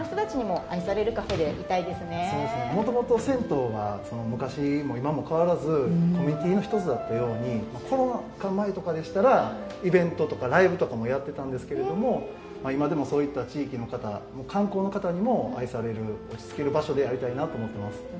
もともと銭湯は昔も今も変わらずコミュニティーの一つだったようにコロナ禍前とかでしたらイベントとかライブとかもやってたんですけれども今でもそういった地域の方観光の方にも愛される落ち着ける場所でありたいなと思ってます。